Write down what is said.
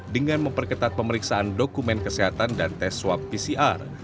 dengan memperketat pemeriksaan dokumen kesehatan dan tes swab pcr